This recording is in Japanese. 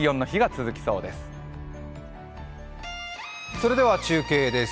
それでは中継です。